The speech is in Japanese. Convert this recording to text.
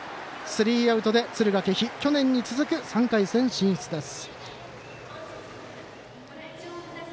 スリーアウトで、敦賀気比去年に続く３回戦進出です。